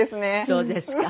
そうですか。